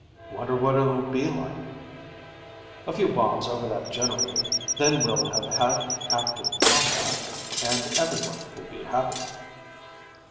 "Wonder what it'll be like." "A few bombs over that generator, then we'll have had active combat, and everyone will be happy."